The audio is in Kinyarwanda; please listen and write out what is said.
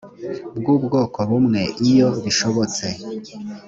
bw ubwoko bumwe iyo bishobotse